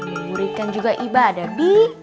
ngamu burit kan juga ibadah bi